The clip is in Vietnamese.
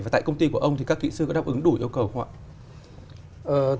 và tại công ty của ông thì các thủy sư có đáp ứng đủ yêu cầu không ạ